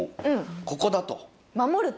ここだ！と。